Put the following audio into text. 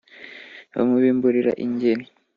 bamubimburira ingeri